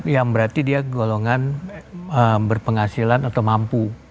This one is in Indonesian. yang berarti dia golongan berpenghasilan atau mampu